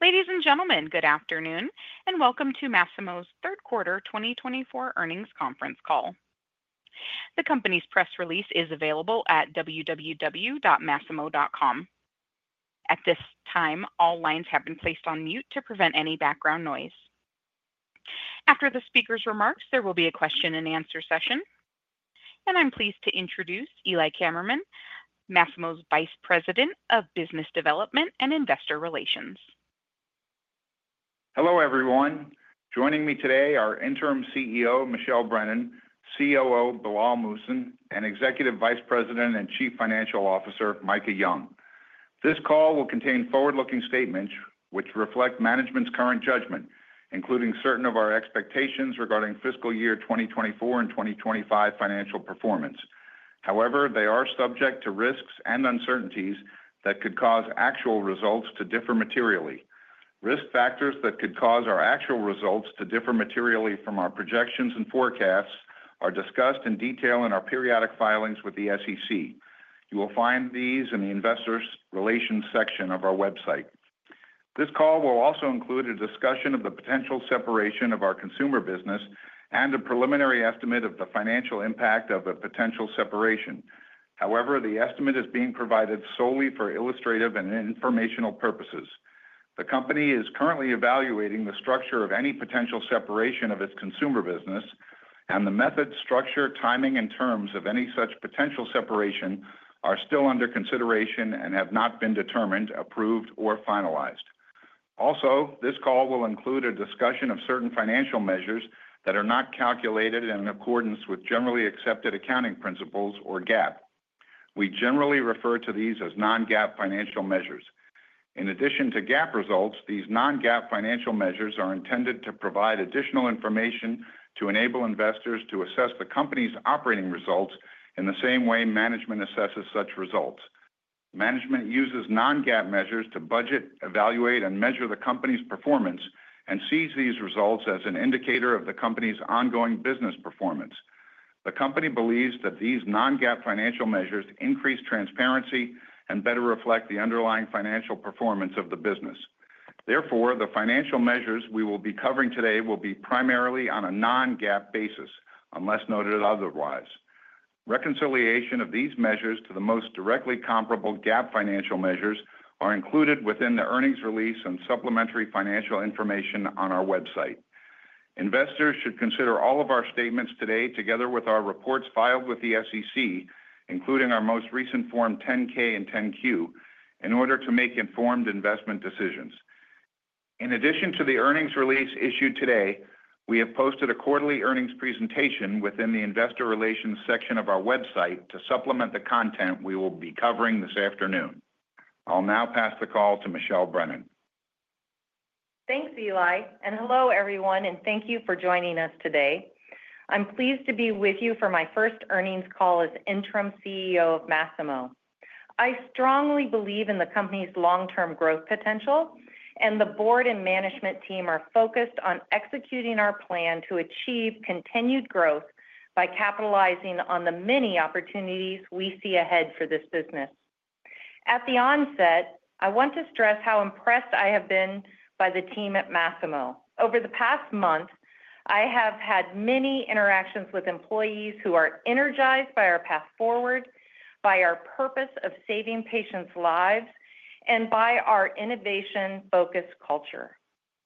Ladies and gentlemen, good afternoon, and welcome to Masimo's Q3 2024 earnings conference call. The company's press release is available at www.masimo.com. At this time, all lines have been placed on mute to prevent any background noise. After the speaker's remarks, there will be a question-and-answer session, and I'm pleased to introduce Eli Kammerman, Masimo's Vice President of Business Development and Investor Relations. Hello everyone. Joining me today are Interim CEO Michelle Brennan, COO Bilal Muhsin, and Executive Vice President and Chief Financial Officer Micah Young. This call will contain forward-looking statements which reflect management's current judgment, including certain of our expectations regarding fiscal year 2024 and 2025 financial performance. However, they are subject to risks and uncertainties that could cause actual results to differ materially. Risk factors that could cause our actual results to differ materially from our projections and forecasts are discussed in detail in our periodic filings with the SEC. You will find these in the Investor Relations section of our website. This call will also include a discussion of the potential separation of our consumer business and a preliminary estimate of the financial impact of a potential separation. However, the estimate is being provided solely for illustrative and informational purposes. The company is currently evaluating the structure of any potential separation of its consumer business, and the method, structure, timing, and terms of any such potential separation are still under consideration and have not been determined, approved, or finalized. Also, this call will include a discussion of certain financial measures that are not calculated in accordance with generally accepted accounting principles or GAAP. We generally refer to these as non-GAAP financial measures. In addition to GAAP results, these non-GAAP financial measures are intended to provide additional information to enable investors to assess the company's operating results in the same way management assesses such results. Management uses non-GAAP measures to budget, evaluate, and measure the company's performance and sees these results as an indicator of the company's ongoing business performance. The company believes that these non-GAAP financial measures increase transparency and better reflect the underlying financial performance of the business. Therefore, the financial measures we will be covering today will be primarily on a non-GAAP basis, unless noted otherwise. Reconciliation of these measures to the most directly comparable GAAP financial measures is included within the earnings release and supplementary financial information on our website. Investors should consider all of our statements today together with our reports filed with the SEC, including our most recent Form 10-K and 10-Q, in order to make informed investment decisions. In addition to the earnings release issued today, we have posted a quarterly earnings presentation within the Investor Relations section of our website to supplement the content we will be covering this afternoon. I'll now pass the call to Michelle Brennan. Thanks, Eli, and hello everyone, and thank you for joining us today. I'm pleased to be with you for my first earnings call as Interim CEO of Masimo. I strongly believe in the company's long-term growth potential, and the board and management team are focused on executing our plan to achieve continued growth by capitalizing on the many opportunities we see ahead for this business. At the onset, I want to stress how impressed I have been by the team at Masimo. Over the past month, I have had many interactions with employees who are energized by our path forward, by our purpose of saving patients' lives, and by our innovation-focused culture.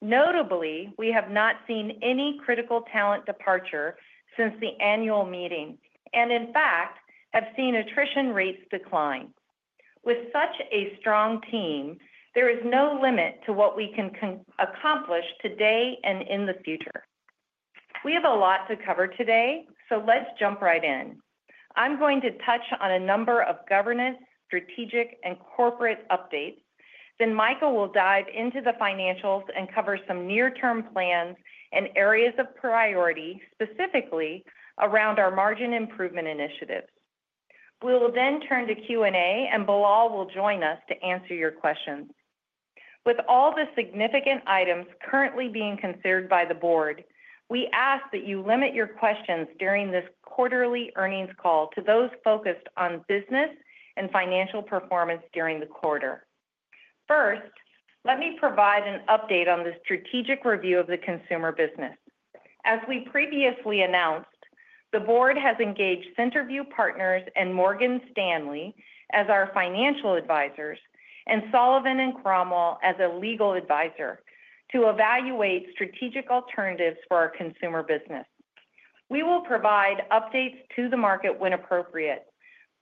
Notably, we have not seen any critical talent departure since the annual meeting and, in fact, have seen attrition rates decline. With such a strong team, there is no limit to what we can accomplish today and in the future. We have a lot to cover today, so let's jump right in. I'm going to touch on a number of governance, strategic, and corporate updates. Then Micah will dive into the financials and cover some near-term plans and areas of priority, specifically around our margin improvement initiatives. We will then turn to Q&A, and Bilal will join us to answer your questions. With all the significant items currently being considered by the board, we ask that you limit your questions during this quarterly earnings call to those focused on business and financial performance during the quarter. First, let me provide an update on the strategic review of the consumer business. As we previously announced, the board has engaged Centerview Partners and Morgan Stanley as our financial advisors and Sullivan & Cromwell as a legal advisor to evaluate strategic alternatives for our consumer business. We will provide updates to the market when appropriate,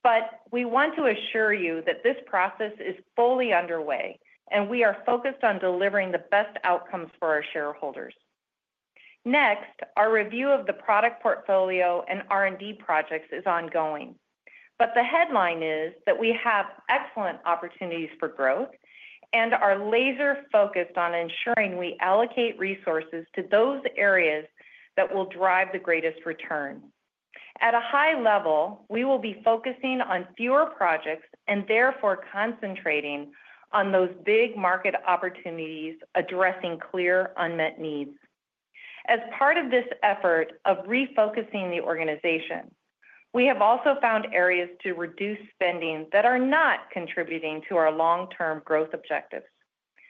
but we want to assure you that this process is fully underway and we are focused on delivering the best outcomes for our shareholders. Next, our review of the product portfolio and R&D projects is ongoing, but the headline is that we have excellent opportunities for growth and are laser-focused on ensuring we allocate resources to those areas that will drive the greatest return. At a high level, we will be focusing on fewer projects and therefore concentrating on those big market opportunities addressing clear unmet needs. As part of this effort of refocusing the organization, we have also found areas to reduce spending that are not contributing to our long-term growth objectives.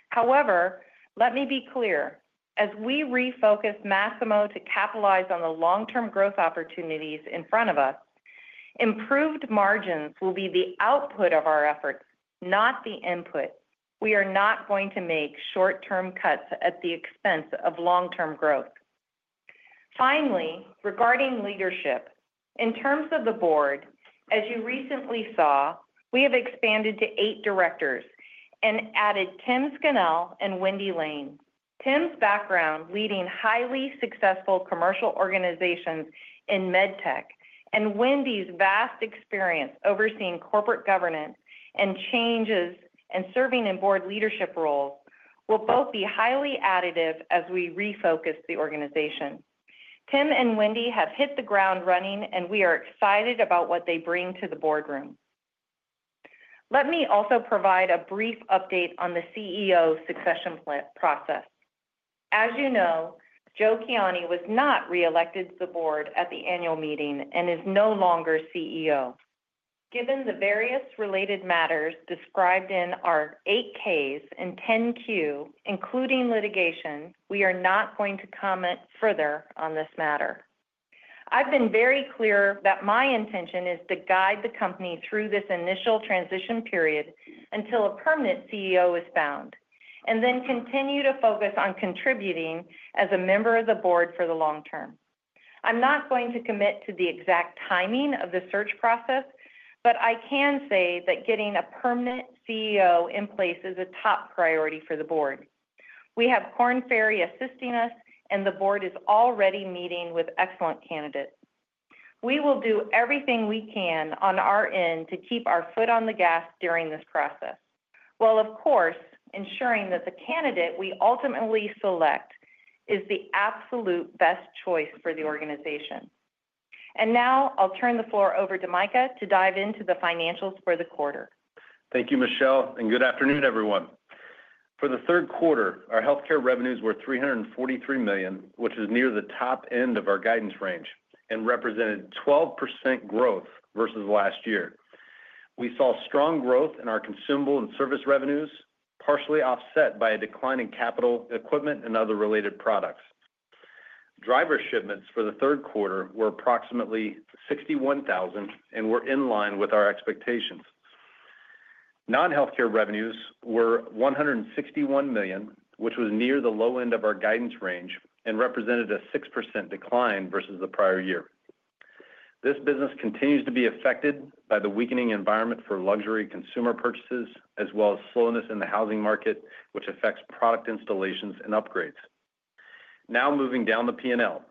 However, let me be clear, as we refocus Masimo to capitalize on the long-term growth opportunities in front of us, improved margins will be the output of our efforts, not the input. We are not going to make short-term cuts at the expense of long-term growth. Finally, regarding leadership, in terms of the board, as you recently saw, we have expanded to eight directors and added Tim Scannell and Wendy Lane. Tim's background leading highly successful commercial organizations in medtech and Wendy's vast experience overseeing corporate governance and changes and serving in board leadership roles will both be highly additive as we refocus the organization. Tim and Wendy have hit the ground running, and we are excited about what they bring to the boardroom. Let me also provide a brief update on the CEO succession process. As you know, Joe Kiani was not re-elected to the board at the annual meeting and is no longer CEO. Given the various related matters described in our 8-Ks and 10-Q, including litigation, we are not going to comment further on this matter. I've been very clear that my intention is to guide the company through this initial transition period until a permanent CEO is found and then continue to focus on contributing as a member of the board for the long term. I'm not going to commit to the exact timing of the search process, but I can say that getting a permanent CEO in place is a top priority for the board. We have Korn Ferry assisting us, and the board is already meeting with excellent candidates. We will do everything we can on our end to keep our foot on the gas during this process, while of course ensuring that the candidate we ultimately select is the absolute best choice for the organization. And now I'll turn the floor over to Micah to dive into the financials for the quarter. Thank you, Michelle, and good afternoon, everyone. For the third quarter, our healthcare revenues were $343 million, which is near the top end of our guidance range and represented 12% growth versus last year. We saw strong growth in our consumable and service revenues, partially offset by a decline in capital, equipment, and other related products. Driver shipments for the third quarter were approximately 61,000 and were in line with our expectations. Non-healthcare revenues were $161 million, which was near the low end of our guidance range and represented a 6% decline versus the prior year. This business continues to be affected by the weakening environment for luxury consumer purchases, as well as slowness in the housing market, which affects product installations and upgrades. Now moving down the P&L.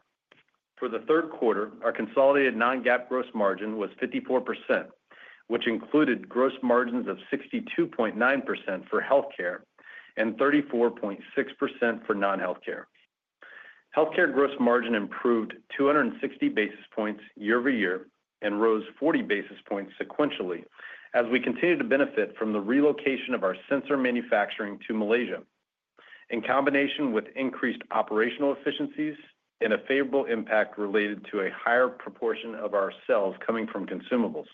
For the third quarter, our consolidated non-GAAP gross margin was 54%, which included gross margins of 62.9% for healthcare and 34.6% for non-healthcare. Healthcare gross margin improved 260 basis points year-over-year and rose 40 basis points sequentially as we continue to benefit from the relocation of our sensor manufacturing to Malaysia, in combination with increased operational efficiencies and a favorable impact related to a higher proportion of our sales coming from consumables.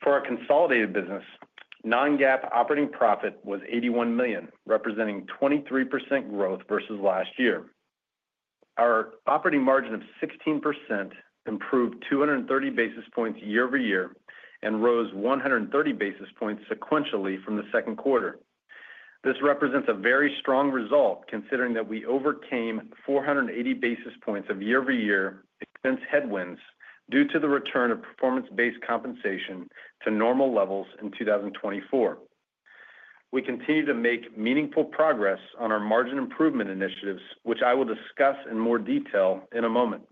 For our consolidated business, non-GAAP operating profit was $81 million, representing 23% growth versus last year. Our operating margin of 16% improved 230 basis points year-over-year and rose 130 basis points sequentially from the second quarter. This represents a very strong result considering that we overcame 480 basis points of year-over-year expense headwinds due to the return of performance-based compensation to normal levels in 2024. We continue to make meaningful progress on our margin improvement initiatives, which I will discuss in more detail in a moment.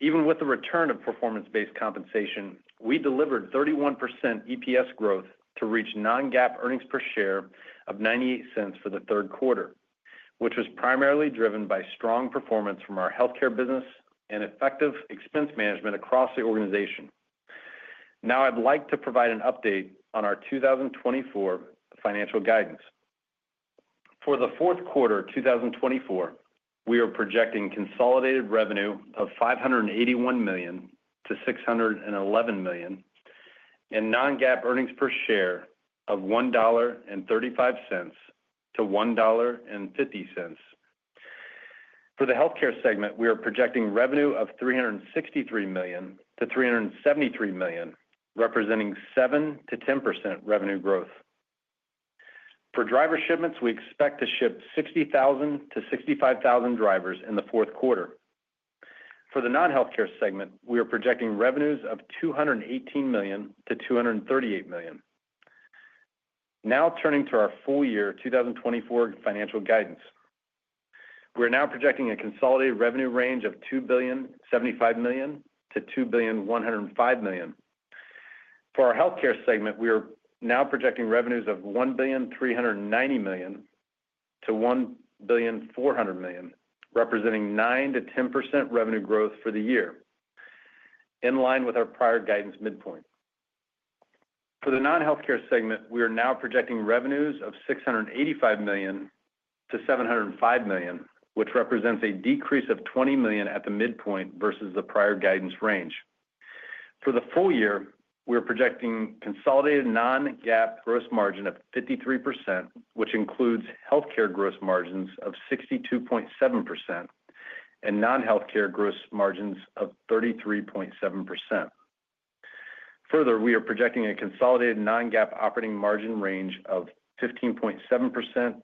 Even with the return of performance-based compensation, we delivered 31% EPS growth to reach non-GAAP earnings per share of $0.98 for the third quarter, which was primarily driven by strong performance from our healthcare business and effective expense management across the organization. Now I'd like to provide an update on our 2024 financial guidance. For the fourth quarter of 2024, we are projecting consolidated revenue of $581 million-$611 million and non-GAAP earnings per share of $1.35-$1.50. For the healthcare segment, we are projecting revenue of $363 million-$373 million, representing 7%-10% revenue growth. For driver shipments, we expect to ship 60,000-65,000 drivers in the fourth quarter. For the non-healthcare segment, we are projecting revenues of $218 million-$238 million. Now turning to our full year 2024 financial guidance, we are now projecting a consolidated revenue range of $2,075 million-$2,105 million. For our healthcare segment, we are now projecting revenues of $1,390 million-$1.400 million, representing 9%-10% revenue growth for the year, in line with our prior guidance midpoint. For the non-healthcare segment, we are now projecting revenues of $685 million-$705 million, which represents a decrease of $20 million at the midpoint versus the prior guidance range. For the full year, we are projecting consolidated non-GAAP gross margin of 53%, which includes healthcare gross margins of 62.7% and non-healthcare gross margins of 33.7%. Further, we are projecting a consolidated non-GAAP operating margin range of 15.7%-16%,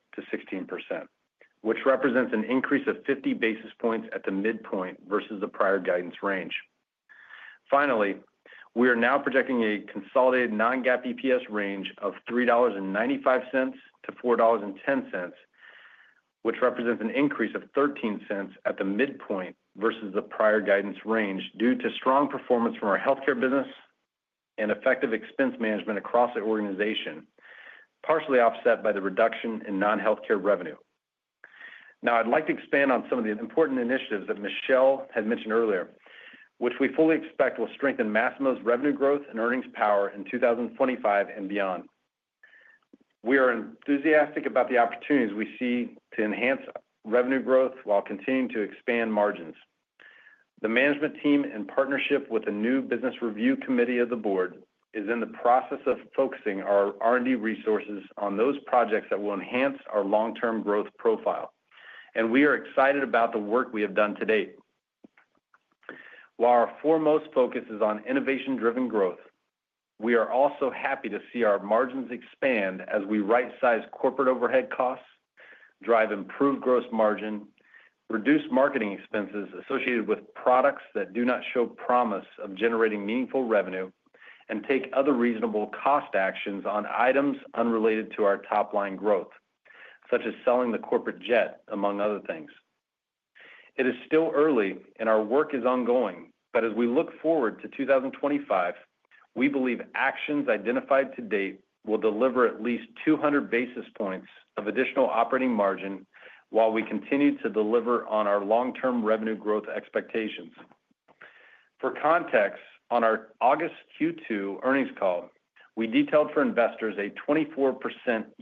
which represents an increase of 50 basis points at the midpoint versus the prior guidance range. Finally, we are now projecting a consolidated non-GAAP EPS range of $3.95-$4.10, which represents an increase of $0.13 at the midpoint versus the prior guidance range due to strong performance from our healthcare business and effective expense management across the organization, partially offset by the reduction in non-healthcare revenue. Now I'd like to expand on some of the important initiatives that Michelle had mentioned earlier, which we fully expect will strengthen Masimo's revenue growth and earnings power in 2025 and beyond. We are enthusiastic about the opportunities we see to enhance revenue growth while continuing to expand margins. The management team in partnership with the new business review committee of the board is in the process of focusing our R&D resources on those projects that will enhance our long-term growth profile, and we are excited about the work we have done to date. While our foremost focus is on innovation-driven growth, we are also happy to see our margins expand as we right-size corporate overhead costs, drive improved gross margin, reduce marketing expenses associated with products that do not show promise of generating meaningful revenue, and take other reasonable cost actions on items unrelated to our top-line growth, such as selling the corporate jet, among other things. It is still early, and our work is ongoing, but as we look forward to 2025, we believe actions identified to date will deliver at least 200 basis points of additional operating margin while we continue to deliver on our long-term revenue growth expectations. For context, on our August Q2 earnings call, we detailed for investors a 24%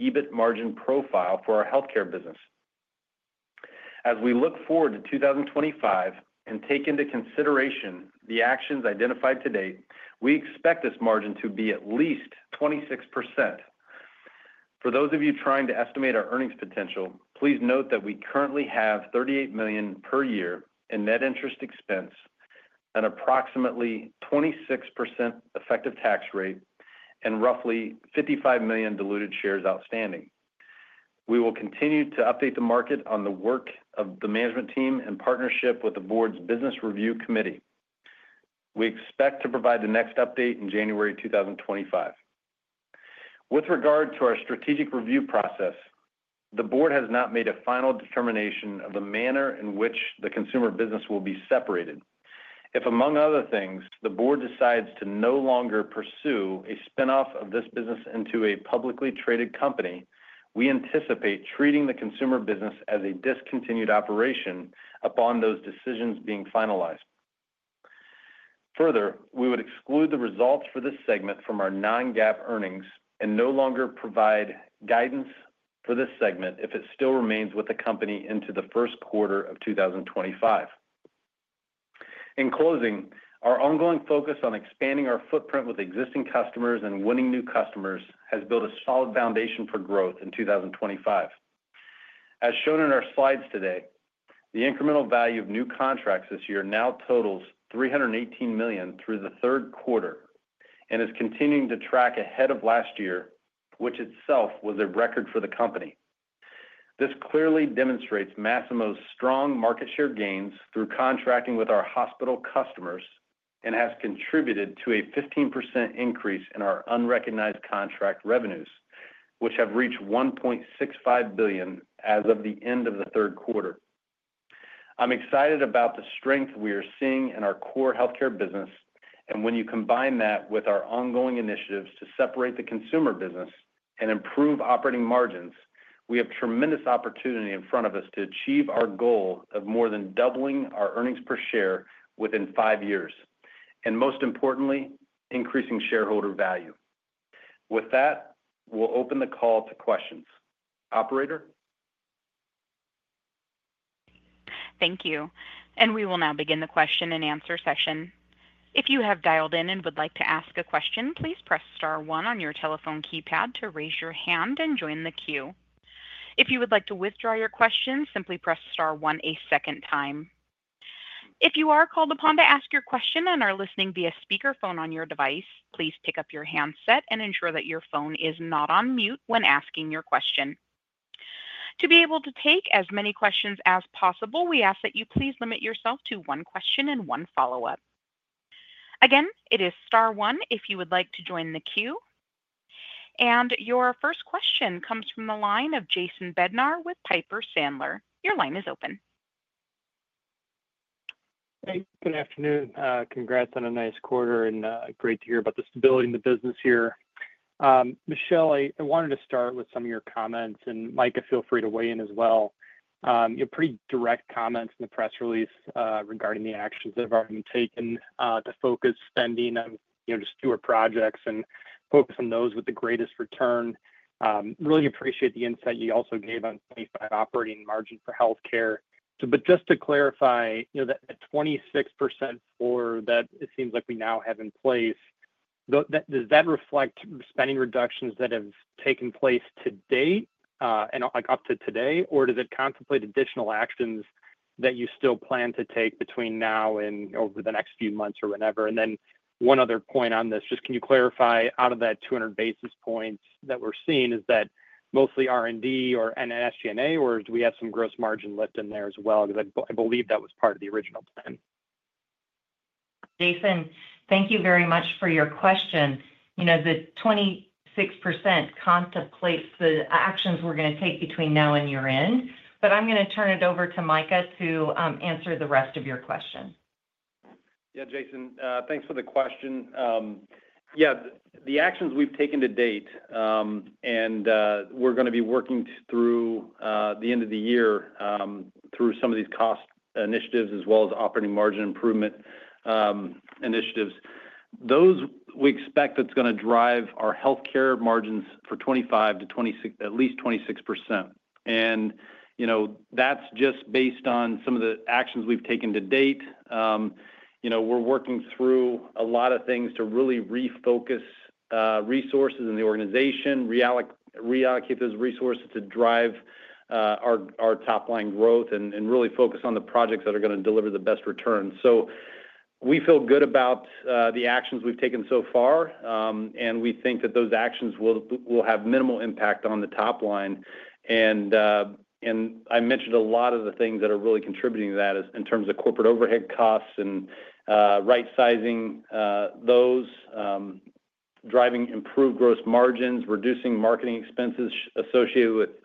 EBIT margin profile for our healthcare business. As we look forward to 2025 and take into consideration the actions identified to date, we expect this margin to be at least 26%. For those of you trying to estimate our earnings potential, please note that we currently have $38 million per year in net interest expense, an approximately 26% effective tax rate, and roughly 55 million diluted shares outstanding. We will continue to update the market on the work of the management team in partnership with the board's business review committee. We expect to provide the next update in January 2025. With regard to our strategic review process, the board has not made a final determination of the manner in which the consumer business will be separated. If, among other things, the board decides to no longer pursue a spinoff of this business into a publicly traded company, we anticipate treating the consumer business as a discontinued operation upon those decisions being finalized. Further, we would exclude the results for this segment from our non-GAAP earnings and no longer provide guidance for this segment if it still remains with the company into the first quarter of 2025. In closing, our ongoing focus on expanding our footprint with existing customers and winning new customers has built a solid foundation for growth in 2025. As shown in our slides today, the incremental value of new contracts this year now totals $318 million through the third quarter and is continuing to track ahead of last year, which itself was a record for the company. This clearly demonstrates Masimo's strong market share gains through contracting with our hospital customers and has contributed to a 15% increase in our unrecognized contract revenues, which have reached $1.65 billion as of the end of the third quarter. I'm excited about the strength we are seeing in our core healthcare business, and when you combine that with our ongoing initiatives to separate the consumer business and improve operating margins, we have tremendous opportunity in front of us to achieve our goal of more than doubling our earnings per share within five years, and most importantly, increasing shareholder value. With that, we'll open the call to questions. Operator? Thank you. And we will now begin the question and answer session. If you have dialed in and would like to ask a question, please press star one on your telephone keypad to raise your hand and join the queue. If you would like to withdraw your question, simply press star one a second time. If you are called upon to ask your question and are listening via speakerphone on your device, please pick up your handset and ensure that your phone is not on mute when asking your question. To be able to take as many questions as possible, we ask that you please limit yourself to one question and one follow-up. Again, it is star one if you would like to join the queue. And your first question comes from the line of Jason Bednar with Piper Sandler. Your line is open. Hey, good afternoon. Congrats on a nice quarter, and great to hear about the stability in the business here. Michelle, I wanted to start with some of your comments, and Micah, feel free to weigh in as well. Pretty direct comments in the press release regarding the actions that have already been taken to focus spending on just fewer projects and focus on those with the greatest return. Really appreciate the insight you also gave on 25% operating margin for healthcare. But just to clarify, that 26% floor that it seems like we now have in place, does that reflect spending reductions that have taken place to date and up to today, or does it contemplate additional actions that you still plan to take between now and over the next few months or whenever? And then one other point on this, just can you clarify out of that 200 basis points that we're seeing, is that mostly R&D or SG&A, or do we have some gross margin lift in there as well? Because I believe that was part of the original plan. Jayson, thank you very much for your question. The 26% contemplates the actions we're going to take between now and year-end, but I'm going to turn it over to Micah to answer the rest of your question. Yeah, Jayson, thanks for the question. Yeah, the actions we've taken to date, and we're going to be working through the end of the year through some of these cost initiatives as well as operating margin improvement initiatives. Those we expect that's going to drive our healthcare margins for 2025 to at least 26%. And that's just based on some of the actions we've taken to date. We're working through a lot of things to really refocus resources in the organization, reallocate those resources to drive our top-line growth, and really focus on the projects that are going to deliver the best return. We feel good about the actions we've taken so far, and we think that those actions will have minimal impact on the top line. I mentioned a lot of the things that are really contributing to that in terms of corporate overhead costs and right-sizing those, driving improved gross margins, reducing marketing expenses associated with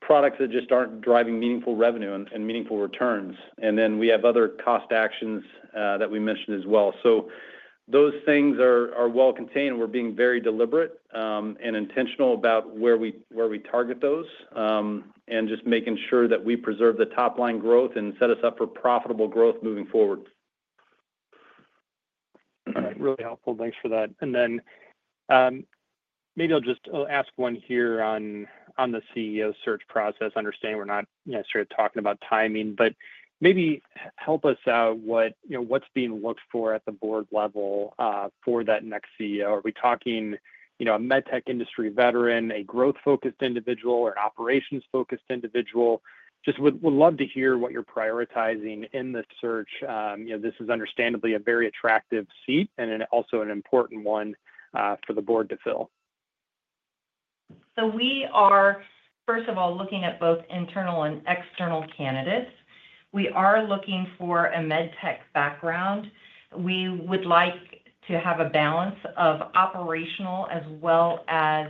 products that just aren't driving meaningful revenue and meaningful returns. Then we have other cost actions that we mentioned as well. Those things are well contained. We're being very deliberate and intentional about where we target those and just making sure that we preserve the top-line growth and set us up for profitable growth moving forward. All right. Really helpful. Thanks for that. And then maybe I'll just ask one here on the CEO search process, understanding we're not necessarily talking about timing, but maybe help us out what's being looked for at the board level for that next CEO. Are we talking a medtech industry veteran, a growth-focused individual, or an operations-focused individual? Just would love to hear what you're prioritizing in the search. This is understandably a very attractive seat and also an important one for the board to fill. We are, first of all, looking at both internal and external candidates. We are looking for a medtech background. We would like to have a balance of operational as well as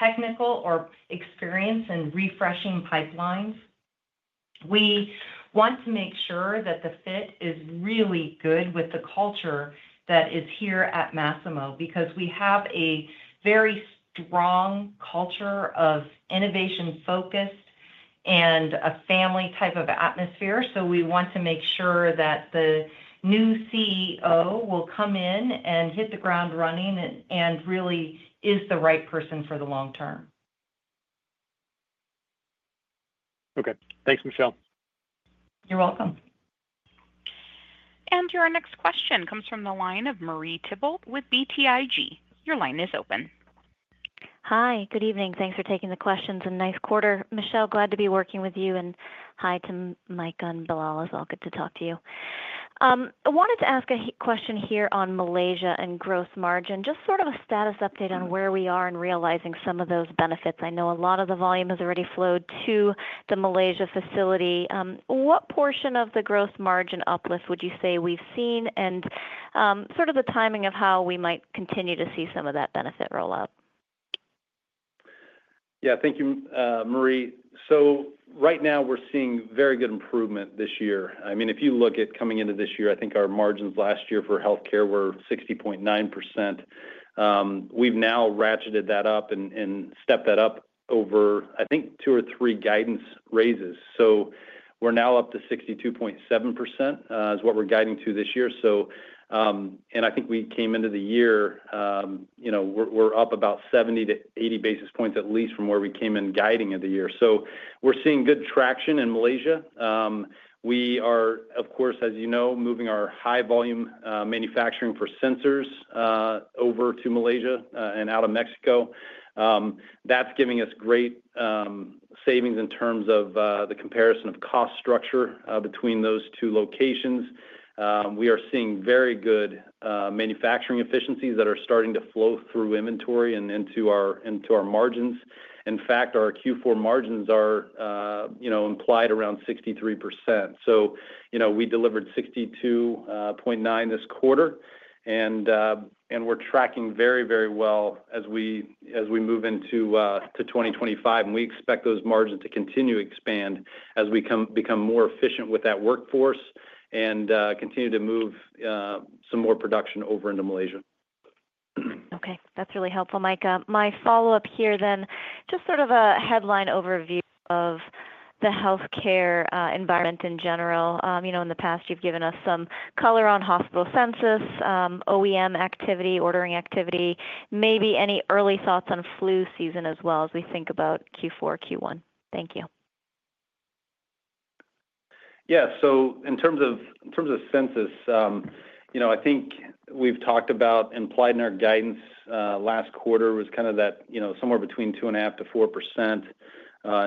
technical or experience and refreshing pipelines. We want to make sure that the fit is really good with the culture that is here at Masimo because we have a very strong culture of innovation-focused and a family type of atmosphere. We want to make sure that the new CEO will come in and hit the ground running and really is the right person for the long term. Okay. Thanks, Michelle. You're welcome. Your next question comes from the line of Marie Thibault with BTIG. Your line is open. Hi, good evening. Thanks for taking the questions. A nice quarter. Michelle, glad to be working with you. And hi to Micah and Bilal as well. Good to talk to you. I wanted to ask a question here on Malaysia and gross margin, just sort of a status update on where we are in realizing some of those benefits. I know a lot of the volume has already flowed to the Malaysia facility. What portion of the gross margin uplift would you say we've seen and sort of the timing of how we might continue to see some of that benefit roll out? Yeah, thank you, Marie. So right now, we're seeing very good improvement this year. I mean, if you look at coming into this year, I think our margins last year for healthcare were 60.9%. We've now ratcheted that up and stepped that up over, I think, two or three guidance raises. So we're now up to 62.7% is what we're guiding to this year. And I think we came into the year, we're up about 70 to 80 basis points at least from where we came in guiding of the year. So we're seeing good traction in Malaysia. We are, of course, as you know, moving our high-volume manufacturing for sensors over to Malaysia and out of Mexico. That's giving us great savings in terms of the comparison of cost structure between those two locations. We are seeing very good manufacturing efficiencies that are starting to flow through inventory and into our margins. In fact, our Q4 margins are implied around 63%. So we delivered 62.9 this quarter, and we're tracking very, very well as we move into 2025. And we expect those margins to continue to expand as we become more efficient with that workforce and continue to move some more production over into Malaysia. Okay. That's really helpful, Micah. My follow-up here then, just sort of a headline overview of the healthcare environment in general. In the past, you've given us some color on hospital census, OEM activity, ordering activity, maybe any early thoughts on flu season as well as we think about Q4, Q1. Thank you. Yeah. So in terms of census, I think we've talked about implied in our guidance last quarter was kind of that somewhere between 2.5%-4%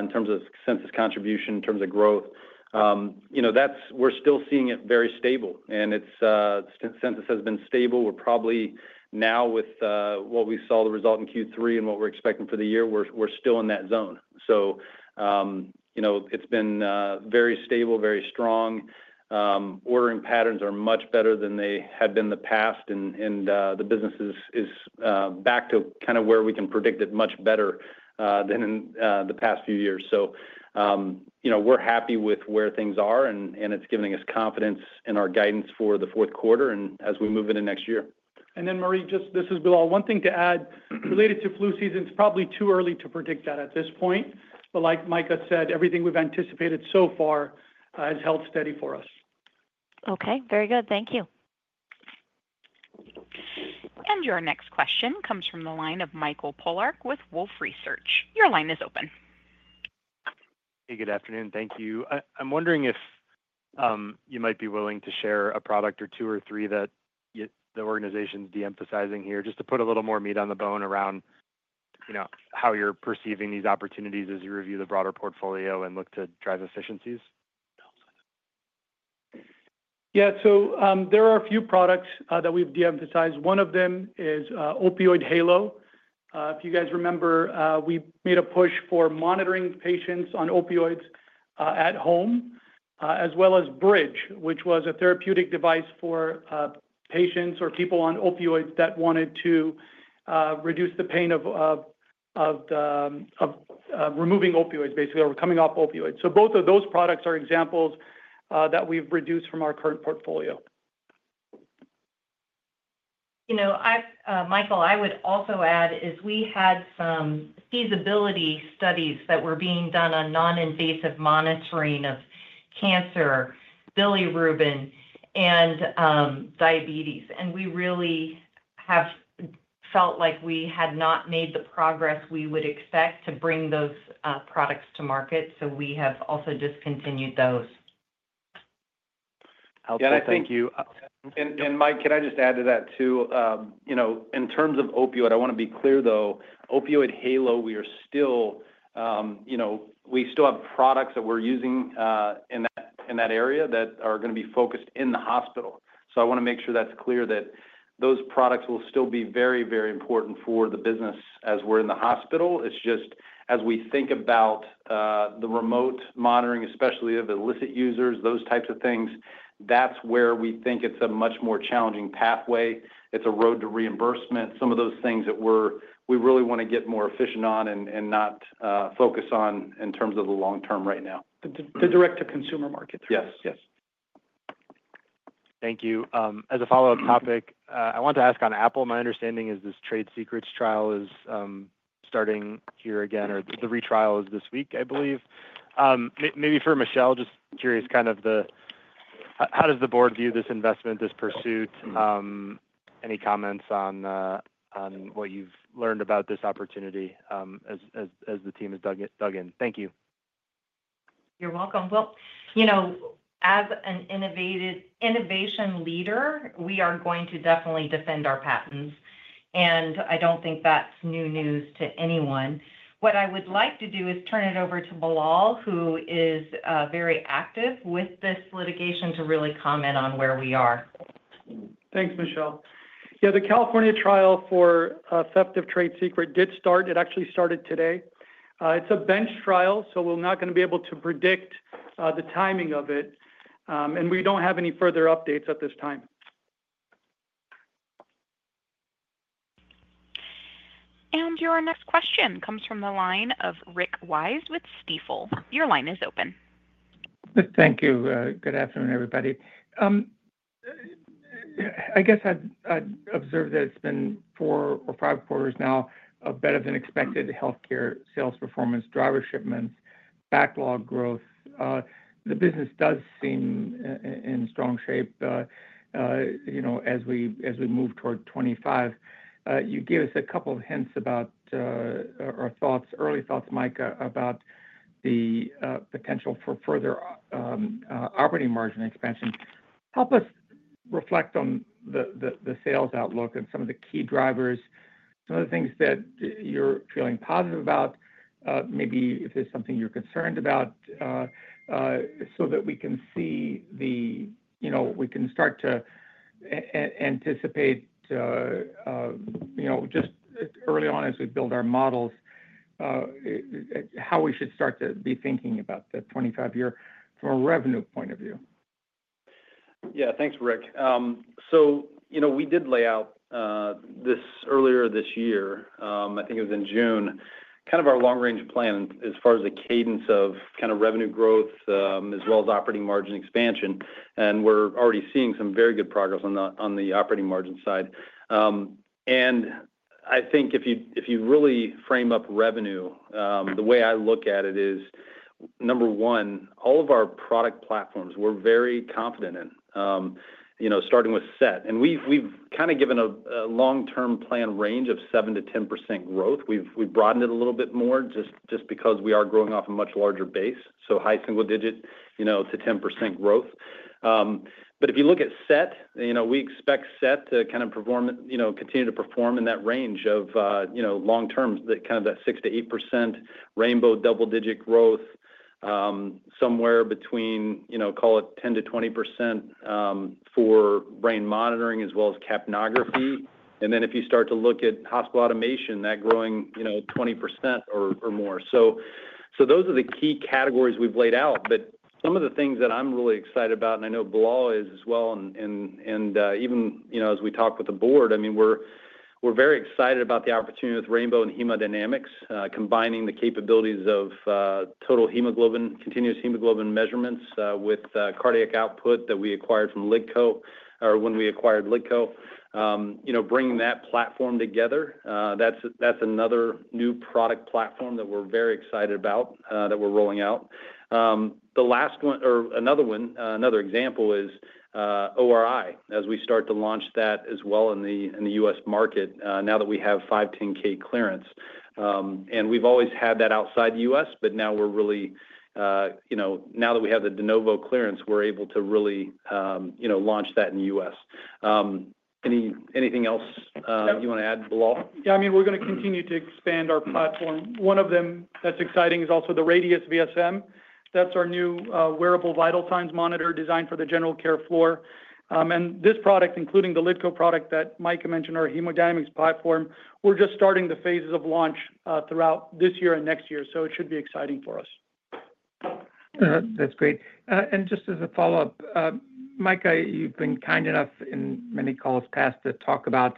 in terms of census contribution, in terms of growth. We're still seeing it very stable, and census has been stable. We're probably now with what we saw the result in Q3 and what we're expecting for the year, we're still in that zone. So it's been very stable, very strong. Ordering patterns are much better than they had been in the past, and the business is back to kind of where we can predict it much better than in the past few years. So we're happy with where things are, and it's giving us confidence in our guidance for the fourth quarter and as we move into next year. And then, Marie, just this is Bilal. One thing to add related to flu season. It's probably too early to predict that at this point. But like Micah said, everything we've anticipated so far has held steady for us. Okay. Very good. Thank you. And your next question comes from the line of Michael Polark with Wolfe Research. Your line is open. Hey, good afternoon. Thank you. I'm wondering if you might be willing to share a product or two or three that the organization's de-emphasizing here just to put a little more meat on the bone around how you're perceiving these opportunities as you review the broader portfolio and look to drive efficiencies? Yeah. So there are a few products that we've de-emphasized. One of them is Opioid Halo. If you guys remember, we made a push for monitoring patients on opioids at home as well as Bridge, which was a therapeutic device for patients or people on opioids that wanted to reduce the pain of removing opioids, basically, or coming off opioids. So both of those products are examples that we've reduced from our current portfolio. Michael, I would also add is we had some feasibility studies that were being done on non-invasive monitoring of cancer, bilirubin, and diabetes. And we really have felt like we had not made the progress we would expect to bring those products to market. So we have also discontinued those. Yeah, thank you. And Mike, can I just add to that too? In terms of opioid, I want to be clear though. Opioid Halo, we still have products that we're using in that area that are going to be focused in the hospital. So I want to make sure that's clear that those products will still be very, very important for the business as we're in the hospital. It's just as we think about the remote monitoring, especially of illicit users, those types of things, that's where we think it's a much more challenging pathway. It's a road to reimbursement, some of those things that we really want to get more efficient on and not focus on in terms of the long term right now. The direct-to-consumer market. Yes. Yes. Thank you. As a follow-up topic, I want to ask on Apple, my understanding is this trade secrets trial is starting here again, or the retrial is this week, I believe. Maybe for Michelle, just curious kind of how does the board view this investment, this pursuit? Any comments on what you've learned about this opportunity as the team has dug in? Thank you. You're welcome. Well, as an innovation leader, we are going to definitely defend our patents, and I don't think that's new news to anyone. What I would like to do is turn it over to Bilal, who is very active with this litigation, to really comment on where we are. Thanks, Michelle. Yeah, the California trial for theft of trade secrets did start. It actually started today. It's a bench trial, so we're not going to be able to predict the timing of it, and we don't have any further updates at this time. Your next question comes from the line of Rick Wise with Stifel. Your line is open. Thank you. Good afternoon, everybody. I guess I'd observe that it's been four or five quarters now of better-than-expected healthcare sales performance, driver shipments, backlog growth. The business does seem in strong shape as we move toward 2025. You gave us a couple of hints about our thoughts, early thoughts, Micah, about the potential for further operating margin expansion. Help us reflect on the sales outlook and some of the key drivers, some of the things that you're feeling positive about, maybe if there's something you're concerned about, so that we can see we can start to anticipate just early on as we build our models, how we should start to be thinking about the 2025 year from a revenue point of view. Yeah. Thanks, Rick. So we did lay out this earlier this year, I think it was in June, kind of our long-range plan as far as the cadence of kind of revenue growth as well as operating margin expansion. And we're already seeing some very good progress on the operating margin side. And I think if you really frame up revenue, the way I look at it is, number one, all of our product platforms we're very confident in, starting with SET. And we've kind of given a long-term plan range of 7%-10% growth. We've broadened it a little bit more just because we are growing off a much larger base, so high single-digit to 10% growth. But if you look at SET, we expect SET to kind of continue to perform in that range of long-term, kind of that 6%-8% Rainbow double-digit growth, somewhere between, call it 10%-20% for brain monitoring as well as capnography. And then if you start to look at hospital automation, that growing 20% or more. So those are the key categories we've laid out. But some of the things that I'm really excited about, and I know Bilal is as well, and even as we talk with the board, I mean, we're very excited about the opportunity with Rainbow and hemodynamics, combining the capabilities of total hemoglobin, continuous hemoglobin measurements with cardiac output that we acquired from LiDCO or when we acquired LiDCO, bringing that platform together. That's another new product platform that we're very excited about that we're rolling out. The last one or another example is ORI as we start to launch that as well in the U.S. market now that we have 510(k) clearance, and we've always had that outside the U.S., but now we're really, now that we have the de novo clearance, we're able to really launch that in the U.S. Anything else you want to add, Bilal? Yeah. I mean, we're going to continue to expand our platform. One of them that's exciting is also the Radius VSM. That's our new wearable vital signs monitor designed for the general care floor. And this product, including the LiDCO product that Micah mentioned, our hemodynamics platform, we're just starting the phases of launch throughout this year and next year. So it should be exciting for us. That's great, and just as a follow-up, Micah, you've been kind enough in many calls past to talk about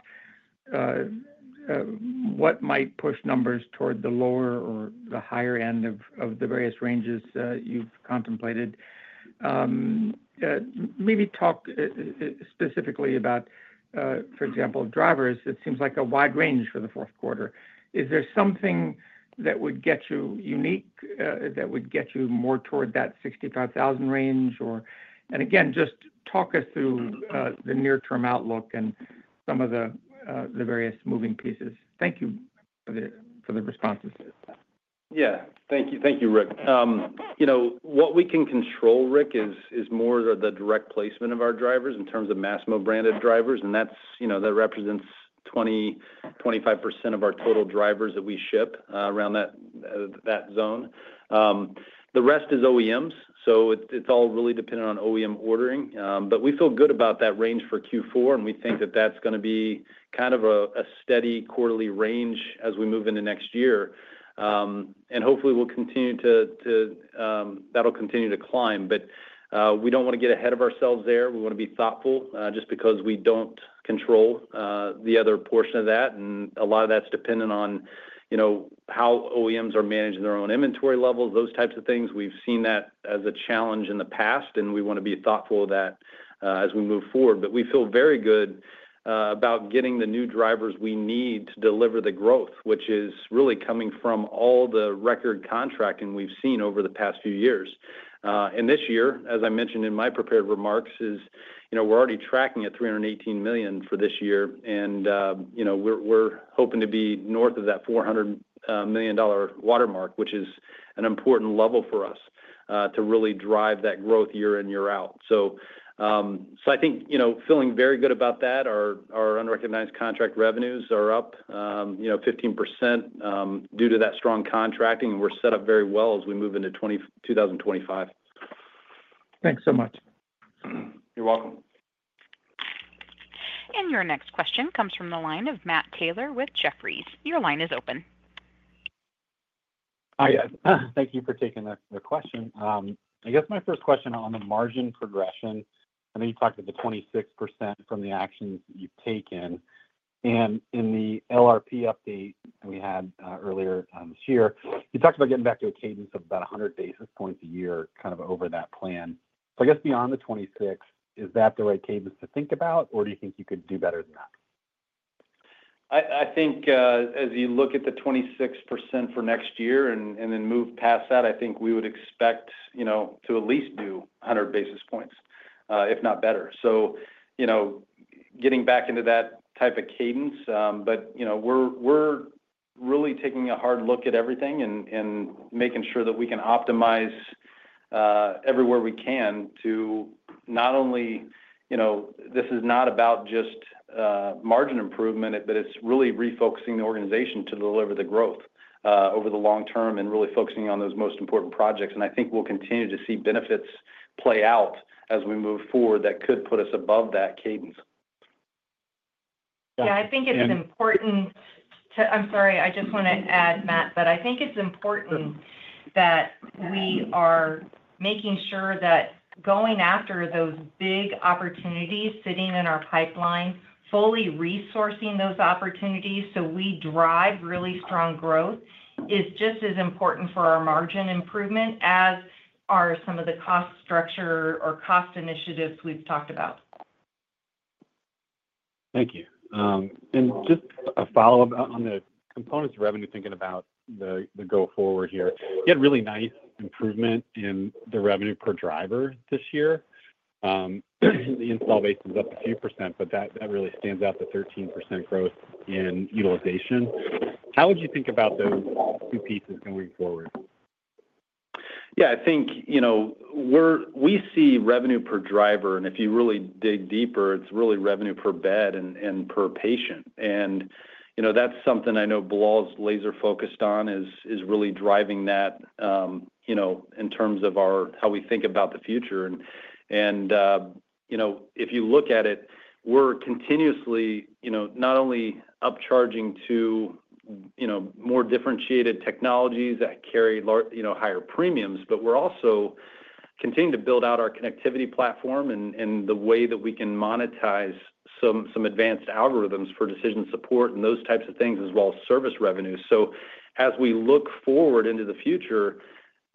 what might push numbers toward the lower or the higher end of the various ranges you've contemplated. Maybe talk specifically about, for example, drivers. It seems like a wide range for the fourth quarter. Is there something that would get you unique, that would get you more toward that 65,000 range? And again, just talk us through the near-term outlook and some of the various moving pieces. Thank you for the responses. Yeah. Thank you, Rick. What we can control, Rick, is more of the direct placement of our drivers in terms of Masimo branded drivers. And that represents 20%-25% of our total drivers that we ship around that zone. The rest is OEMs. So it's all really dependent on OEM ordering. But we feel good about that range for Q4, and we think that that's going to be kind of a steady quarterly range as we move into next year. And hopefully, we'll continue to that'll continue to climb. But we don't want to get ahead of ourselves there. We want to be thoughtful just because we don't control the other portion of that. And a lot of that's dependent on how OEMs are managing their own inventory levels, those types of things. We've seen that as a challenge in the past, and we want to be thoughtful of that as we move forward, but we feel very good about getting the new drivers we need to deliver the growth, which is really coming from all the record contracting we've seen over the past few years, and this year, as I mentioned in my prepared remarks, we're already tracking at $318 million for this year, and we're hoping to be north of that $400 million watermark, which is an important level for us to really drive that growth year in, year out, so I think feeling very good about that. Our unrecognized contract revenues are up 15% due to that strong contracting, and we're set up very well as we move into 2025. Thanks so much. You're welcome. Your next question comes from the line of Matt Taylor with Jefferies. Your line is open. Hi, guys. Thank you for taking the question. I guess my first question on the margin progression. I know you talked about the 26% from the actions you've taken, and in the LRP update we had earlier this year, you talked about getting back to a cadence of about 100 basis points a year kind of over that plan, so I guess beyond the 26, is that the right cadence to think about, or do you think you could do better than that? I think as you look at the 26% for next year and then move past that, I think we would expect to at least do 100 basis points, if not better. So getting back into that type of cadence. But we're really taking a hard look at everything and making sure that we can optimize everywhere we can to not only this is not about just margin improvement, but it's really refocusing the organization to deliver the growth over the long term and really focusing on those most important projects. And I think we'll continue to see benefits play out as we move forward that could put us above that cadence. Yeah. I'm sorry. I just want to add, Matt, that I think it's important that we are making sure that going after those big opportunities sitting in our pipeline, fully resourcing those opportunities so we drive really strong growth is just as important for our margin improvement as are some of the cost structure or cost initiatives we've talked about. Thank you. And just a follow-up on the components of revenue, thinking about the go-forward here. You had really nice improvement in the revenue per driver this year. The install base is up a few %, but that really stands out, the 13% growth in utilization. How would you think about those two pieces going forward? Yeah. I think we see revenue per driver. And if you really dig deeper, it's really revenue per bed and per patient. And that's something I know Bilal's laser-focused on is really driving that in terms of how we think about the future. And if you look at it, we're continuously not only upcharging to more differentiated technologies that carry higher premiums, but we're also continuing to build out our connectivity platform and the way that we can monetize some advanced algorithms for decision support and those types of things as well as service revenue. So as we look forward into the future,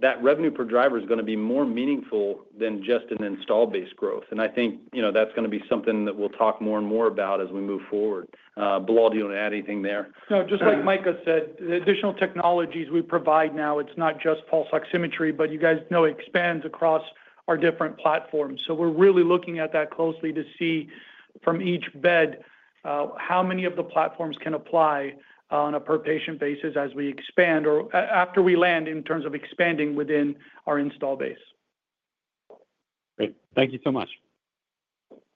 that revenue per driver is going to be more meaningful than just an install-based growth. And I think that's going to be something that we'll talk more and more about as we move forward. Bilal, do you want to add anything there? No. Just like Micah said, the additional technologies we provide now, it's not just pulse oximetry, but you guys know it expands across our different platforms. So we're really looking at that closely to see from each bed how many of the platforms can apply on a per-patient basis as we expand or after we land in terms of expanding within our installed base. Great. Thank you so much.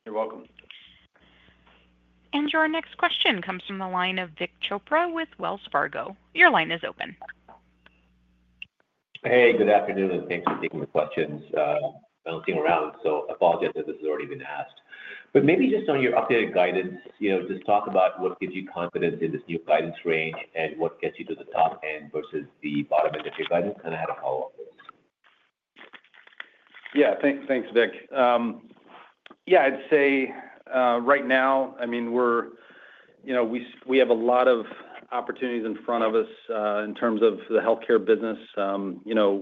You're welcome. Your next question comes from the line of Vic Chopra with Wells Fargo. Your line is open. Hey, good afternoon. Thanks for taking the questions. I've been looking around, so I apologize if this has already been asked. But maybe just on your updated guidance, just talk about what gives you confidence in this new guidance range and what gets you to the top end versus the bottom end of your guidance? Kind of had a follow-up. Yeah. Thanks, Vic. Yeah. I'd say right now, I mean, we have a lot of opportunities in front of us in terms of the healthcare business.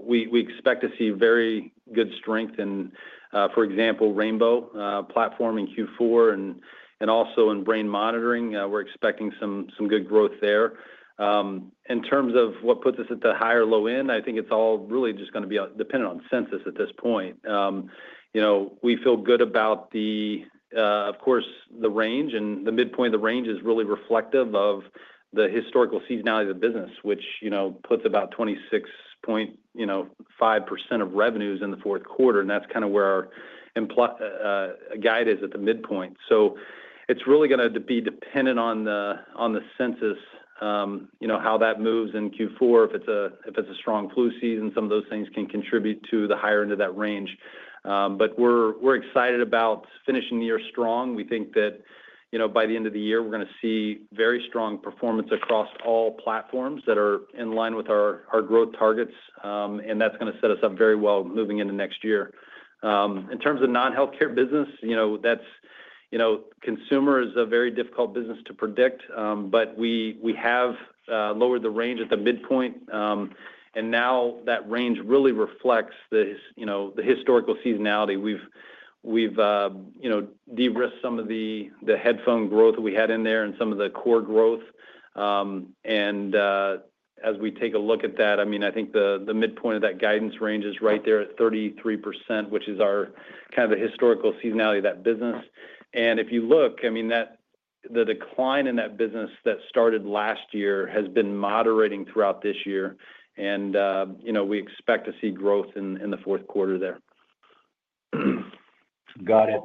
We expect to see very good strength in, for example, Rainbow platform in Q4 and also in brain monitoring. We're expecting some good growth there. In terms of what puts us at the high or low end, I think it's all really just going to be dependent on census at this point. We feel good about, of course, the range. And the midpoint of the range is really reflective of the historical seasonality of the business, which puts about 26.5% of revenues in the fourth quarter. And that's kind of where our guide is at the midpoint. So it's really going to be dependent on the census, how that moves in Q4. If it's a strong flu season, some of those things can contribute to the higher end of that range. But we're excited about finishing the year strong. We think that by the end of the year, we're going to see very strong performance across all platforms that are in line with our growth targets. And that's going to set us up very well moving into next year. In terms of non-healthcare business, consumer is a very difficult business to predict. But we have lowered the range at the midpoint. And now that range really reflects the historical seasonality. We've de-risked some of the headphone growth we had in there and some of the core growth. And as we take a look at that, I mean, I think the midpoint of that guidance range is right there at 33%, which is our kind of the historical seasonality of that business. And if you look, I mean, the decline in that business that started last year has been moderating throughout this year. And we expect to see growth in the fourth quarter there. Got it.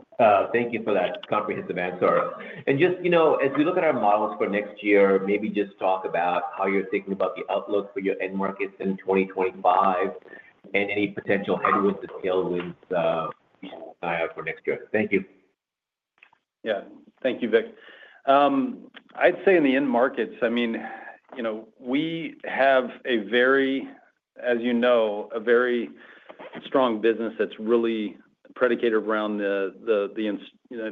Thank you for that comprehensive answer. And just as we look at our models for next year, maybe just talk about how you're thinking about the outlook for your end markets in 2025 and any potential headwinds and tailwinds you might have for next year? Thank you. Yeah. Thank you, Vic. I'd say in the end markets, I mean, we have a very, as you know, a very strong business that's really predicated around the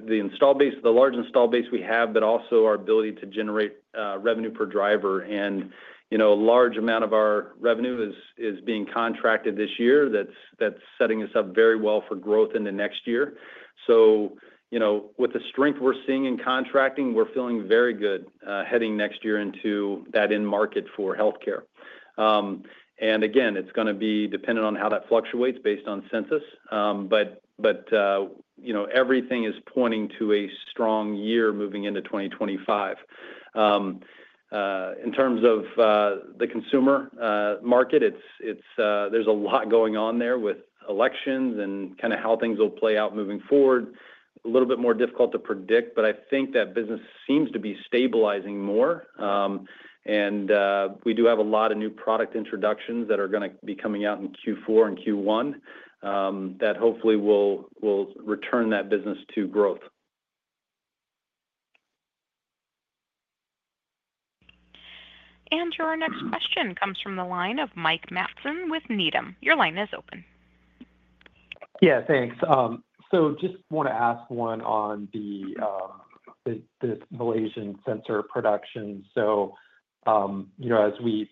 install base, the large install base we have, but also our ability to generate revenue per driver. And a large amount of our revenue is being contracted this year. That's setting us up very well for growth into next year. So with the strength we're seeing in contracting, we're feeling very good heading next year into that end market for healthcare. And again, it's going to be dependent on how that fluctuates based on census. But everything is pointing to a strong year moving into 2025. In terms of the consumer market, there's a lot going on there with elections and kind of how things will play out moving forward. A little bit more difficult to predict, but I think that business seems to be stabilizing more, and we do have a lot of new product introductions that are going to be coming out in Q4 and Q1 that hopefully will return that business to growth. Your next question comes from the line of Mike Matson with Needham. Your line is open. Yeah. Thanks. So just want to ask one on this Malaysian sensor production. So as we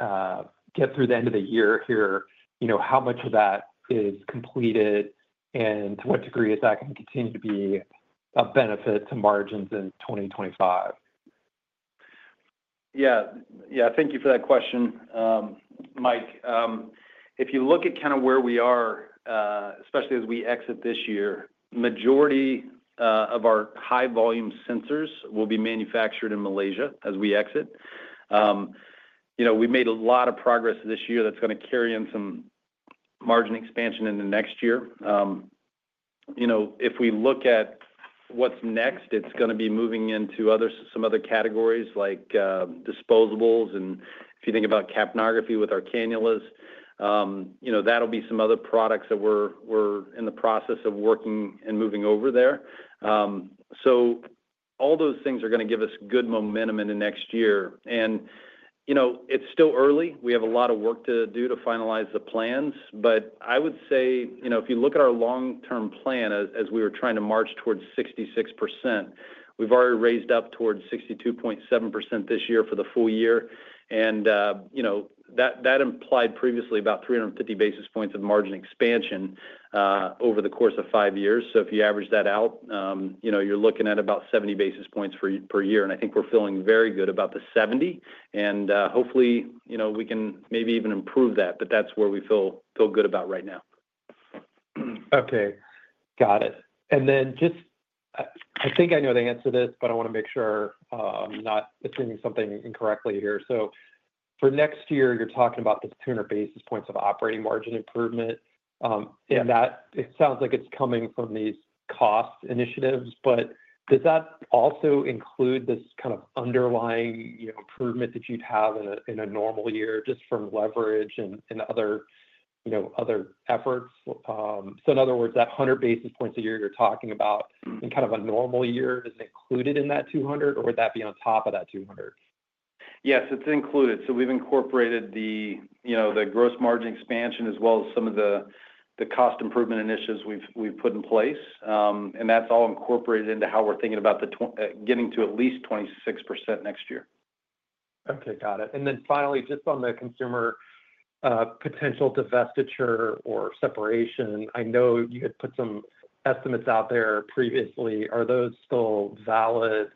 get through the end of the year here, how much of that is completed and to what degree is that going to continue to be a benefit to margins in 2025? Yeah. Yeah. Thank you for that question, Mike. If you look at kind of where we are, especially as we exit this year, the majority of our high-volume sensors will be manufactured in Malaysia as we exit. We made a lot of progress this year that's going to carry in some margin expansion into next year. If we look at what's next, it's going to be moving into some other categories like disposables. And if you think about capnography with our cannulas, that'll be some other products that we're in the process of working and moving over there. So all those things are going to give us good momentum into next year. And it's still early. We have a lot of work to do to finalize the plans. I would say if you look at our long-term plan, as we were trying to march towards 66%, we've already raised up towards 62.7% this year for the full year. And that implied previously about 350 basis points of margin expansion over the course of five years. So if you average that out, you're looking at about 70 basis points per year. And I think we're feeling very good about the 70. And hopefully, we can maybe even improve that, but that's where we feel good about right now. Okay. Got it. And then just I think I know the answer to this, but I want to make sure I'm not assuming something incorrectly here. So for next year, you're talking about the 200 basis points of operating margin improvement. And it sounds like it's coming from these cost initiatives. But does that also include this kind of underlying improvement that you'd have in a normal year just from leverage and other efforts? So in other words, that 100 basis points a year you're talking about in kind of a normal year, is it included in that 200, or would that be on top of that 200? Yes. It's included. So we've incorporated the gross margin expansion as well as some of the cost improvement initiatives we've put in place. And that's all incorporated into how we're thinking about getting to at least 26% next year. Okay. Got it. And then finally, just on the consumer potential divestiture or separation, I know you had put some estimates out there previously. Are those still valid?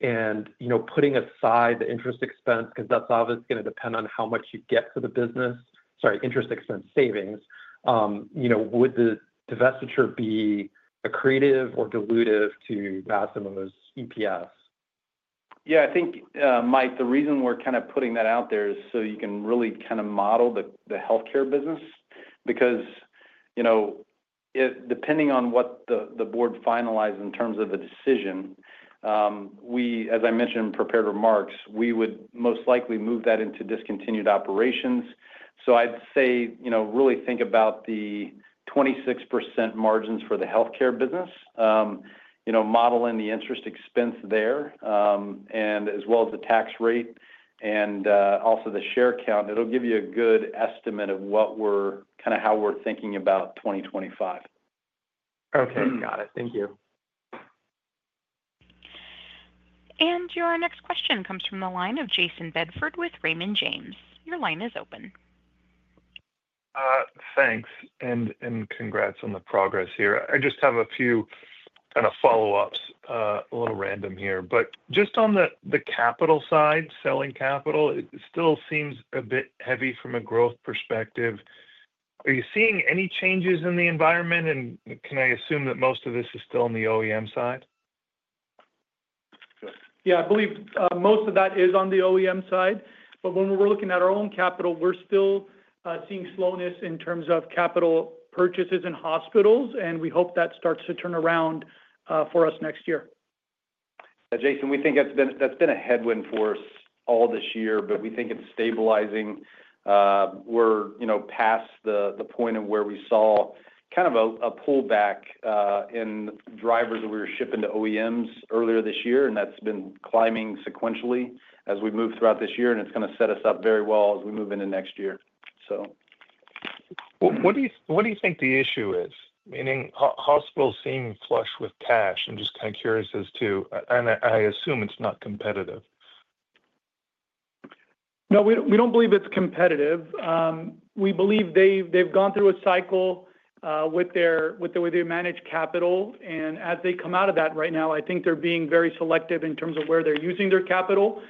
And putting aside the interest expense, because that's obviously going to depend on how much you get for the business, sorry, interest expense savings, would the divestiture be accretive or dilutive to Masimo's EPS? Yeah. I think, Mike, the reason we're kind of putting that out there is so you can really kind of model the healthcare business. Because depending on what the board finalizes in terms of the decision, as I mentioned in prepared remarks, we would most likely move that into discontinued operations. So I'd say really think about the 26% margins for the healthcare business, modeling the interest expense there, and as well as the tax rate and also the share count. It'll give you a good estimate of kind of how we're thinking about 2025. Okay. Got it. Thank you. Your next question comes from the line of Jason Bedford with Raymond James. Your line is open. Thanks, and congrats on the progress here. I just have a few kind of follow-ups, a little random here, but just on the capital side, selling capital, it still seems a bit heavy from a growth perspective. Are you seeing any changes in the environment, and can I assume that most of this is still on the OEM side? Yeah. I believe most of that is on the OEM side. But when we're looking at our own capital, we're still seeing slowness in terms of capital purchases in hospitals. And we hope that starts to turn around for us next year. Jason, we think that's been a headwind for us all this year, but we think it's stabilizing. We're past the point of where we saw kind of a pullback in drivers that we were shipping to OEMs earlier this year. And that's been climbing sequentially as we move throughout this year. And it's going to set us up very well as we move into next year, so. What do you think the issue is? Meaning, hospitals seem flush with cash. I'm just kind of curious as to, and I assume it's not competitive. No. We don't believe it's competitive. We believe they've gone through a cycle with their managed capital, and as they come out of that right now, I think they're being very selective in terms of where they're using their capital.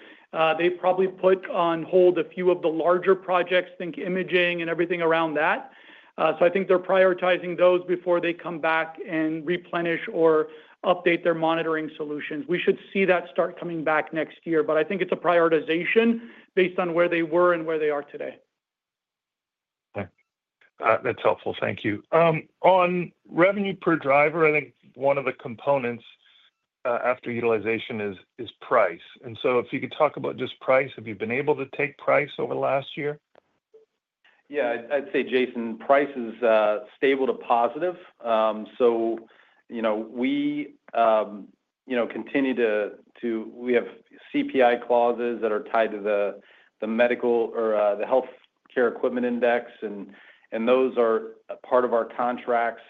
They probably put on hold a few of the larger projects, think imaging and everything around that, so I think they're prioritizing those before they come back and replenish or update their monitoring solutions. We should see that start coming back next year, but I think it's a prioritization based on where they were and where they are today. Okay. That's helpful. Thank you. On revenue per driver, I think one of the components after utilization is price. And so if you could talk about just price, have you been able to take price over the last year? Yeah. I'd say, Jason, price is stable to positive, so we have CPI clauses that are tied to the medical or the healthcare equipment index, and those are part of our contracts.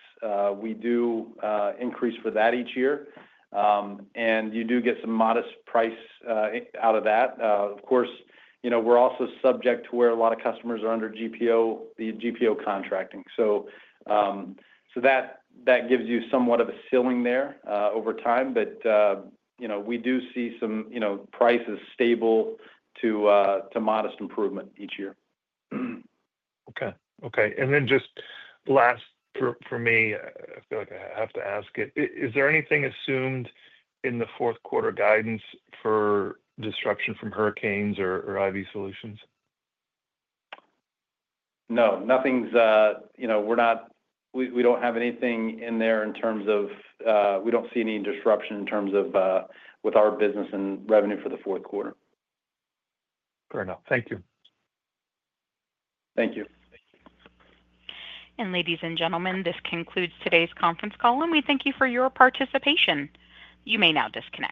We do increase for that each year, and you do get some modest price out of that. Of course, we're also subject to where a lot of customers are under GPO, the GPO contracting, so that gives you somewhat of a ceiling there over time, but we do see some prices stable to modest improvement each year. Okay. And then just last for me, I feel like I have to ask it. Is there anything assumed in the fourth quarter guidance for disruption from hurricanes or IV solutions? No. We don't have anything in there in terms of, we don't see any disruption in terms of with our business and revenue for the fourth quarter. Fair enough. Thank you. Thank you. Ladies and gentlemen, this concludes today's conference call. We thank you for your participation. You may now disconnect.